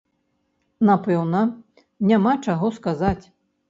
Напэўна, няма чаго сказаць.